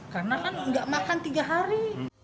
karena kan nggak makan tiga hari